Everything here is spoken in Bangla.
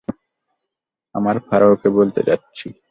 আমরা ফারাওকে বলতে যাচ্ছি।